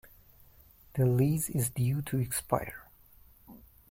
The lease is due to expire.